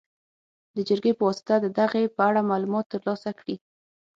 د جرګې په واسطه د هغې په اړه معلومات تر لاسه کړي.